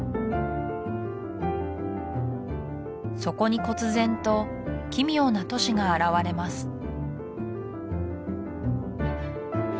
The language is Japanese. そこに忽然と奇妙な都市が現れます